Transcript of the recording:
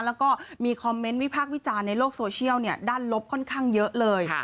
แล้วก็มีคอมเมนต์วิพากษ์วิจารณ์ในโลกโซเชียลด้านลบค่อนข้างเยอะเลย